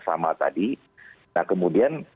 sama tadi nah kemudian